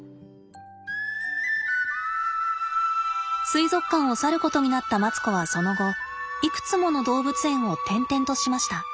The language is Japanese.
水族館を去ることになったマツコはその後いくつもの動物園を転々としました。